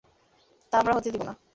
তা আমরা হতে দিব না!